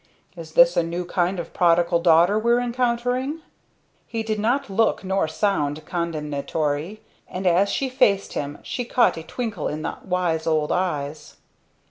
"Is this a new kind of Prodigal Daughter we're encountering?" He did not look nor sound condemnatory, and as she faced him she caught a twinkle in the wise old eyes.